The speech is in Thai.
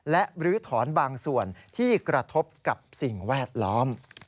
และลื้อถอนบางส่วนที่กระทบกับสิ่งแวดล้อม